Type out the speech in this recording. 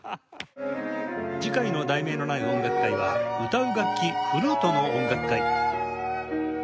次回の『題名のない音楽会』は「歌う楽器・フルートの音楽会」